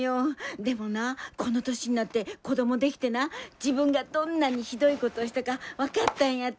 でもなこの年になって子供できてな自分がどんなにひどいことをしたか分かったんやって！